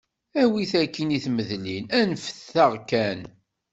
Awi-t akkin i tmedlin, anfet-aɣ kan.